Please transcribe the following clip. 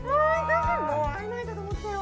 もう会えないかと思ったよ。